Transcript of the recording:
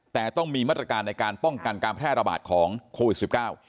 แต่ต้องมีมาตรการในการป้องกันการแพร่ระบาดของโควิดสิบเก้า